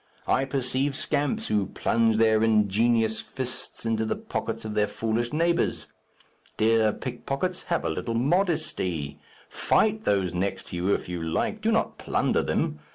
I perceive scamps who plunge their ingenious fists into the pockets of their foolish neighbours. Dear pickpockets, have a little modesty. Fight those next to you if you like; do not plunder them.